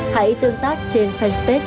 hãy tương tác trên fanpage